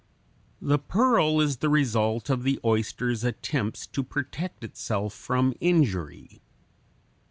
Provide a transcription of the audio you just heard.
The pearl is the result of the oyster's attempts to protect itself from injury.